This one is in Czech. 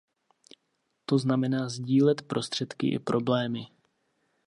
To znamená sdílet prostředky i problémy.